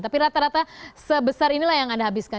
tapi rata rata sebesar inilah yang anda habiskan